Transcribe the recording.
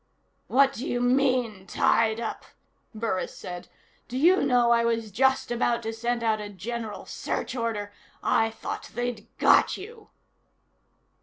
"What do you mean, tied up?" Burris said. "Do you know I was just about to send out a general search order? I thought they'd got you."